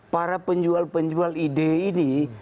para penjual penjual ide ini